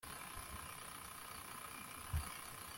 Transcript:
Bati arahamagaye Ni Nkuba waje kugutarurira umuhoro